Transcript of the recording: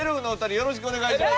よろしくお願いします！